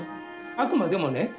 あくまでもね